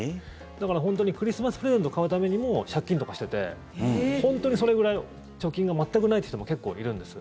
だから、クリスマスプレゼント買うためにも借金とかしてて本当にそれぐらい貯金が全くないって人も結構いるんです。